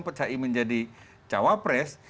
pecai menjadi cawapres